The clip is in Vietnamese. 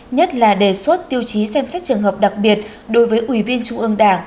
nhất là đề xuất tiêu chí xem xét trường hợp đặc biệt đối với ủy viên trung ương đảng